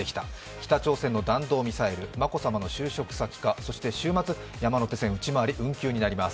北朝鮮の弾道ミサイル眞子さまの就職先かそして週末、山手線内回り、運休になります。